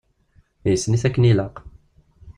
Yessen-it akken i ilaq.